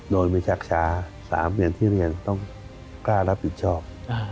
โดยมีชักช้า๓อย่างที่เรียนต้องกล้ารับผิดชอบ